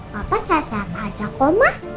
papa sehat sehat aja koma